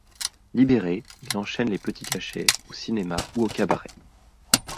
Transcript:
Libéré, il enchaîne les petits cachets au cinéma ou au cabaret.